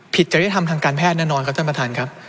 ผิดจะได้ทำทางการแพทย์แน่นอนครับท่านประธานครับ